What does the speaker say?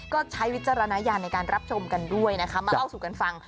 ก็ใช้วิจารณญาณในการรับชมกันด้วยนะคะมาเล่าสู่กันฟัง